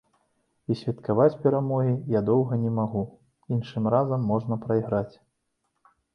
І святкаваць перамогі я доўга не магу, іншым разам можна прайграць.